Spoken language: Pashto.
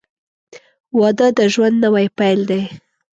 • واده د ژوند نوی پیل دی.